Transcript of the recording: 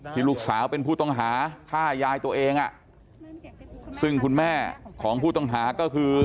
ลูกสาวเป็นผู้ต้องหาฆ่ายายตัวเองอ่ะซึ่งคุณแม่ของผู้ต้องหาก็คือ